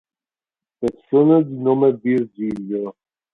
Persone di nome Virgilio